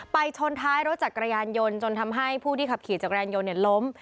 ไปชนท้ายรถจากกระยานยนต์จนทำให้ผู้ที่ขับขี่จากกระยานยนต์เนี่ยล้ม